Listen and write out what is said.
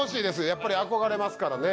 やっぱり憧れますからね。